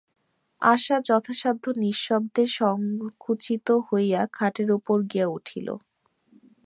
আশা যথাসাধ্য নিঃশব্দে সংকুচিত হইয়া খাটের উপর গিয়া উঠিল।